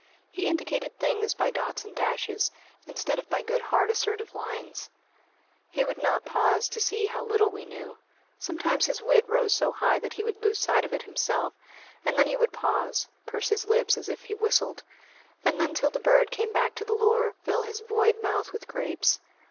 He indicated things by dots and dashes, instead of by good hard assertive lines. He would not pause to see how little we knew. Sometimes his wit rose so high that he would lose sight of it himself, and then he would pause, purse his lips as if he whistled, and then till the bird came back to the lure, fill his void mouth with grapes.